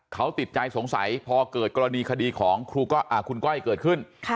เขาติดใจสงสัยพอเกิดกรณีคดีของคุณก้อยเกิดขึ้น